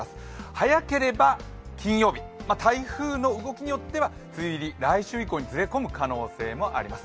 早ければ金曜日、台風の動きによっては梅雨入り、来週以降にずれ込む可能性があります。